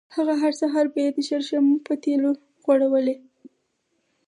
هغه هر سهار به یې د شرشمو په تېلو غوړولې.